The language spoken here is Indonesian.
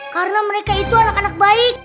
karena mereka itu anak anak baik